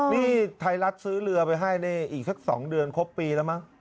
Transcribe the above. นี่ไทยรัฐซื้อเรือไปให้ในอีกสัก๒เดือนครบปีแล้วมั้ง